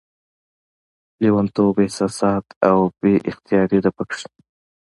لېونتوب، احساسات او بې اختياري ده پکې